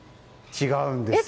違うんですよ。